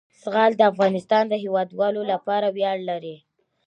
زغال د افغانستان د هیوادوالو لپاره ویاړ دی.